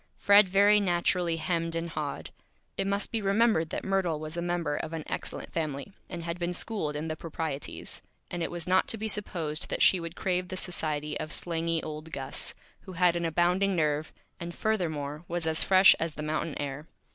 Fred very naturally Hemmed and Hawed. It must be remembered that Myrtle was a member of an Excellent Family, and had been schooled in the Proprieties, and it was not to be supposed that she would crave the Society of slangy old Gus, who had an abounding Nerve, and furthermore was as Fresh as the Mountain Air.